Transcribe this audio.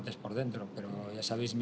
tapi seperti yang kalian tahu